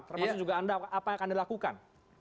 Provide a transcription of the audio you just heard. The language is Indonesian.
termasuk juga anda apa yang akan dilakukan